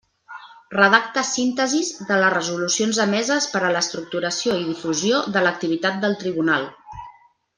Redacta síntesis de les resolucions emeses per a l'estructuració i difusió de l'activitat del Tribunal.